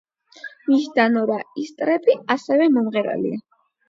მისი და, ნორა ისტრეფი ასევე მომღერალია.